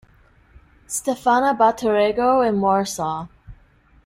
Stefana Batorego in Warsaw.